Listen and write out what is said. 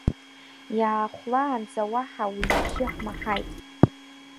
Иаахәлаанӡа уаҳа уи абжьы ҳмаҳаит.